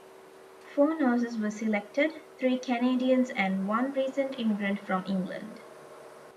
Four nurses were selected, three Canadians and one recent immigrant from England.